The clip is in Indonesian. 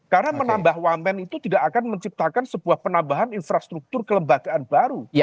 karena menambah woman itu tidak akan menciptakan sebuah penambahan infrastruktur kelembagaan baru